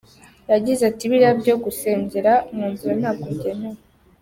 Yagize ati “Biriya byo gusengera mu nzira ntabwo byemewe.